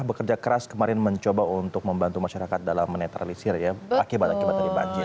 bekerja keras kemarin mencoba untuk membantu masyarakat dalam menetralisir ya akibat akibat tadi banjir